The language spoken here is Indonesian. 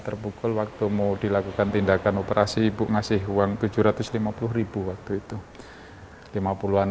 terpukul waktu mau dilakukan tindakan operasi ibu ngasih uang tujuh ratus lima puluh waktu itu lima puluh an